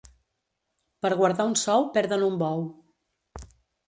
Per guardar un sou perden un bou.